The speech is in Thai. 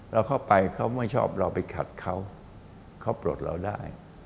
เราเข้าไปเขาไม่ชอบเราไปขัดเขาเขาปลดเราได้